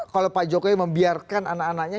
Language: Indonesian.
kalau pak jokowi membiarkan anak anaknya